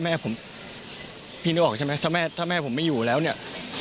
แม่ผมพีนได้บอกใช่ไหมถ้าแม่ผมไม่อยู่แล้วเนี่ย